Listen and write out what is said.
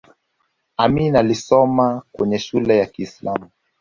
amin alisoma kwenye shule ya kiislamu